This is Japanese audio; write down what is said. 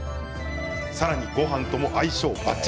さらに、ごはんとも相性ばっちり。